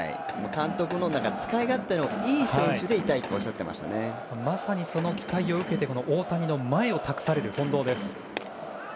監督の使い勝手のいい選手でありたいとまさに、その期待を受けて大谷の前を託される近藤です。